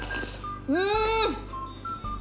うん！